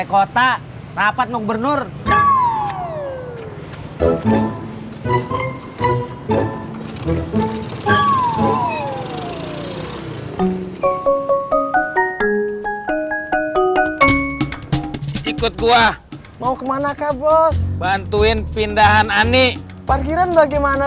ikut gua mau ke manakah bos bantuin pindahan ani parkiran bagaimana